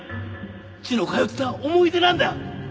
血の通った思い出なんだ！